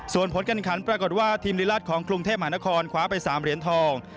ส่วนผลการขันปรากฏว่าทีมลิลัดของกรุงเทพมหานครคว้าไป๓เหรียญทอง